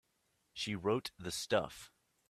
She wrote the stuff.